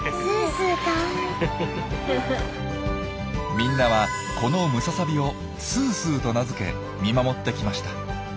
みんなはこのムササビを「すーすー」と名付け見守ってきました。